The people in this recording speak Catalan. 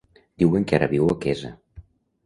Diuen que ara viu a Quesa.